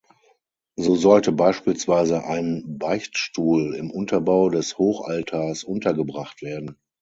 So sollte beispielsweise ein Beichtstuhl im Unterbau des Hochaltars untergebracht werden.